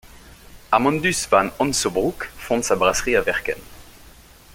Amandus Van Honsebrouck fonde sa brasserie à Werken.